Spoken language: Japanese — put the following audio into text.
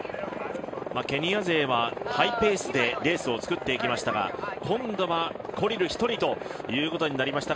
ケニア勢はハイペースでレースを作っていきましたが今度はコリル１人ということになりました。